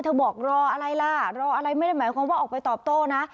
บอกรออะไรล่ะรออะไรไม่ได้หมายความว่าออกไปตอบโต้นะ